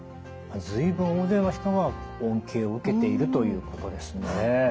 随分大勢の人が恩恵を受けているということですね。